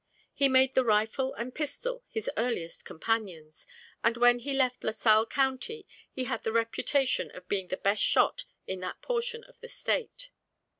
He made the rifle and pistol his earliest companions, and when he left La Salle county he had the reputation of being the best shot in that portion of the state.